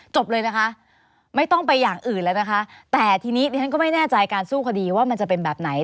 จบเลยนะคะไม่ต้องไปอย่างอื่นแล้วนะคะแต่ทีนี้ดิฉันก็ไม่แน่ใจการสู้คดีว่ามันจะเป็นแบบไหน